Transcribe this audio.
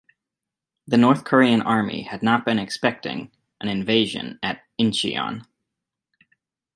The North Korean army had not been expecting an invasion at Incheon.